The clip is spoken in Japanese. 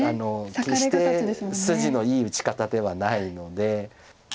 決して筋のいい打ち方ではないので。